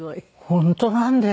本当なんですよ。